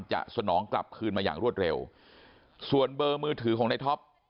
สนองกลับคืนมาอย่างรวดเร็วส่วนเบอร์มือถือของในท็อป